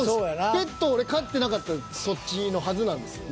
ペット俺飼ってなかったらそっちのはずなんですよ。